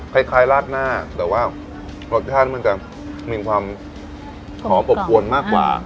คล้ายราดหน้าแต่ว่ารสชาติมันจะมีความหอมอบอวนมากกว่า